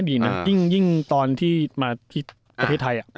ดีนะยิ่งตอนที่มาที่ประเทศไทย